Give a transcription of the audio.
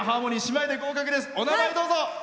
お名前、どうぞ。